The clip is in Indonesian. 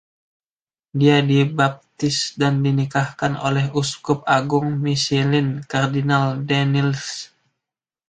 Dia dibaptis dan dinikahkan oleh Uskup Agung Mechelen, Kardinal Danneels.